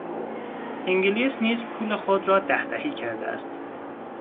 انگلیس نیز پول خود را دهدهی کرده است.